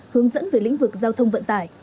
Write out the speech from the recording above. hướng dẫn về lĩnh vực giao thông vận tải